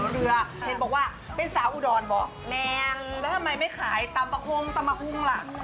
แล้วทำไมไม่ขายตามประหุ้งตามมหุ้งล่ะ